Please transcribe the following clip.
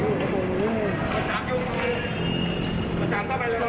เพราะตอนนี้ก็ไม่มีเวลาให้เข้าไปที่นี่